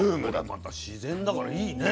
これまた自然だからいいね。